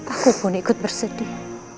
aku pun ikut bersedih